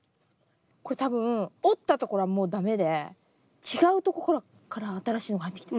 これ多分折ったところはもう駄目で違うとこから新しいのが生えてきてる。